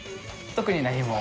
特に何も。